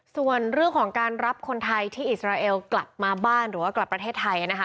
ส่วนเรื่องของการรับคนไทยที่อิสราเอลกลับมาบ้านหรือว่ากลับประเทศไทยนะคะ